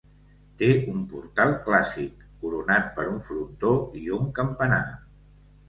Té un portal clàssic, coronat per un frontó, i un campanar.